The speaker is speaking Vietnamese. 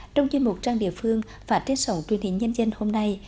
trong chuyên mục trang địa phương phát triết sống truyền hình nhân dân hôm nay